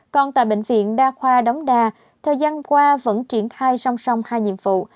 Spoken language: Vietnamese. còn tại bệnh viện đa khoa đống đa thời gian qua vẫn triển khai song song hai nhiệm vụ